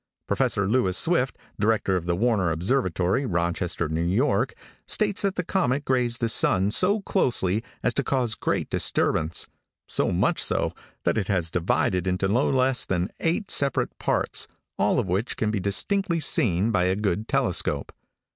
Professor Lewis Swift, director of the Warner observatory, Rochester, New York, states that the comet grazed the sun so closely as to cause great disturbance, so much so, that it has divided into no less than eight separate parts, all of which can be distinctly seen by a good telescope.